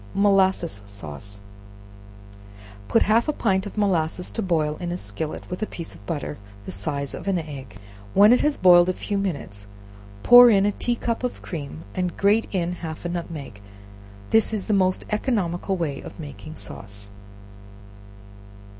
Molasses Sauce. Put half a pint of molasses to boil in a skillet, with a piece of butter the size of an egg; when it has boiled a few minutes, pour in a tea cup of cream, and grate in half a nutmeg; this is the most economical way of making sauce.